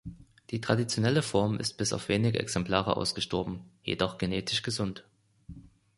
Die traditionelle Form ist bis auf wenige Exemplare ausgestorben, jedoch genetisch gesund.